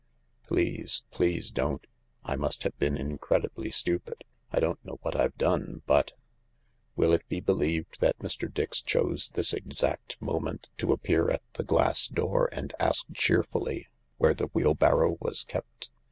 "Please, please don't. I must have been incredibly stupid — I don't know what I've done, but ..*■ Will it be believed that Mr. Dix chose this exact moment to appear at the glass door and ask cheerfully where the wheelbarrow was kept